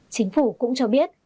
chính phủ cũng cho biết